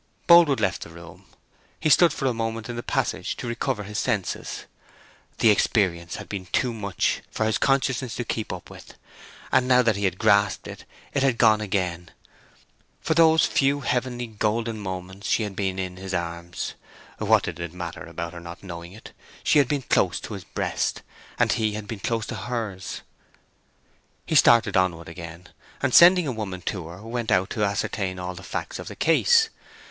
Boldwood left the room. He stood for a moment in the passage to recover his senses. The experience had been too much for his consciousness to keep up with, and now that he had grasped it it had gone again. For those few heavenly, golden moments she had been in his arms. What did it matter about her not knowing it? She had been close to his breast; he had been close to hers. He started onward again, and sending a woman to her, went out to ascertain all the facts of the case.